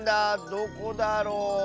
どこだろう。